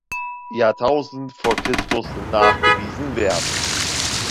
Jahrtausend vor Christus nachgewiesen werden.